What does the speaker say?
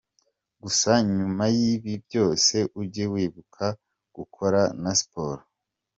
Gusa nyuma y’ibi byose ujye wibuka gukora na sport.